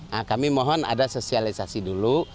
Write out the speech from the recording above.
nah kami mohon ada sosialisasi dulu